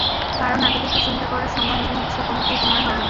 কারণ এতটুকু চিন্তা করার সময় এবং ইচ্ছা, কোনোটিই তোমার হবে না।